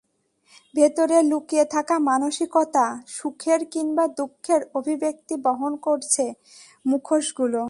ভেতরে লুকিয়ে থাকা মানসিকতা, সুখের কিংবা দুঃখের অভিব্যক্তি বহন করছে মুখোশগুলো।